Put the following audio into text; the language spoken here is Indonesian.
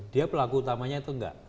dia pelaku utamanya itu enggak